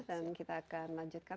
dan kita akan lanjutkan